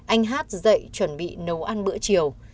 anh hát dậy chuẩn bị nấu ăn bữa chiều